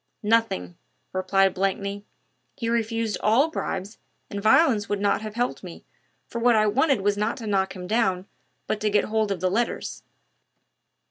"Nothing," replied Blakeney. "He refused all bribes, and violence would not have helped me, for what I wanted was not to knock him down, but to get hold of the letters."